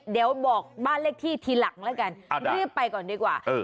เดี๋ยวบอกบ้านเลขที่ทีหลังแล้วกันรีบไปก่อนดีกว่า